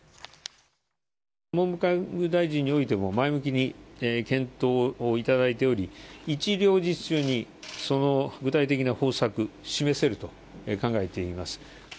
文部科学大臣においても前向きに検討をいただいており、一両日中にその具体的な方策、示せると考えています。